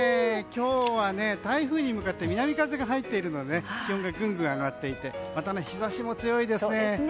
今日は台風に向かって南風が入っているので気温がぐんぐん上がっていてまた、日差しも強いですね。